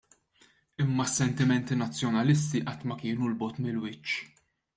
Imma s-sentimenti nazzjonalisti qatt ma kienu 'l bogħod mill-wiċċ.